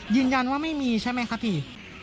ยืนยันว่าไม่มีใช่ไหมครับพี่